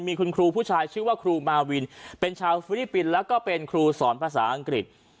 มีคุณครูผู้ชายชื่อว่าครูมาวินเป็นชาวฟิลิปปินส์แล้วก็เป็นครูสอนภาษาอังกฤษ